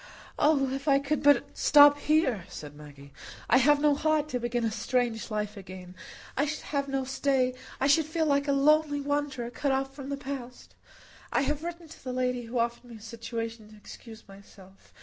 "Oh, if I could but stop here!" said Maggie. "I have no heart to begin a strange life again. I should have no stay. I should feel like a lonely wanderer, cut off from the past. I have written to the lady who offered me a situation to excuse myself.